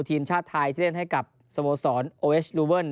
ทีมชาติไทยที่เล่นให้กับสโมสรโอเอชลูเวิล